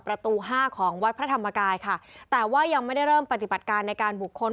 ประตูห้าของวัดพระธรรมกายค่ะแต่ว่ายังไม่ได้เริ่มปฏิบัติการในการบุคคล